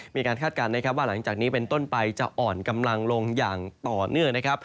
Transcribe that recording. มีการคาดการณ์ว่าหลังจากนี้เป็นต้นไปจะอ่อนกำลังลงอย่างต่อเนื่อง